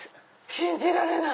信じられない！